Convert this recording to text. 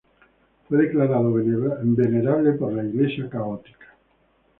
Fue declarado venerable por la Iglesia Católica.